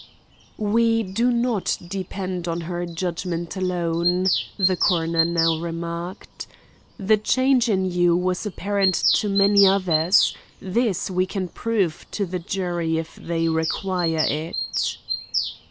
"We do not depend on her judgment alone," the coroner now remarked. "The change in you was apparent to many others. This we can prove to the jury if they require it."